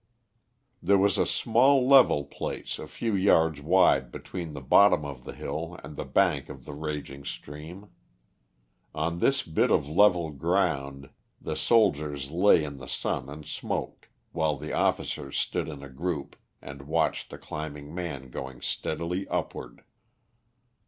There was a small level place a few yards wide between the bottom of the hill and the bank of the raging stream. On this bit of level ground the soldiers lay in the sun and smoked, while the officers stood in a group and watched the climbing man going steadily upward.